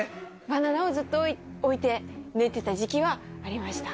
バナナをずっと置いて寝てた時期はありました。